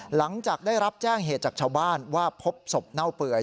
หลังจากได้รับแจ้งเหตุจากชาวบ้านว่าพบศพเน่าเปื่อย